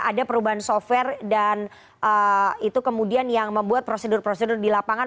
ada perubahan software dan itu kemudian yang membuat prosedur prosedur di lapangan